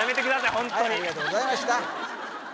ホントにはいありがとうございました